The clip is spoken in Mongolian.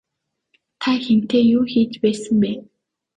Та хэнтэй юу хийж байсан бэ?